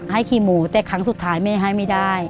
ให้ขี่หมูแต่ครั้งสุดท้ายแม่ให้ไม่ได้